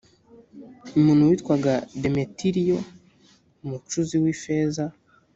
umuntu witwaga demetiriyo umucuzi w ifeza